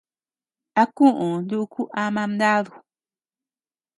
A kuu nuku ama mnadu.